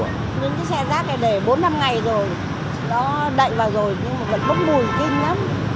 những cái xe rác này để bốn năm ngày rồi nó đậy vào rồi nhưng mà lại bốc mùi kinh lắm